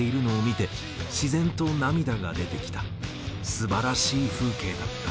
「素晴らしい風景だった」。